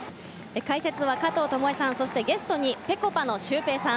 解説は加藤與惠さん、ゲストにぺこぱのシュウペイさん。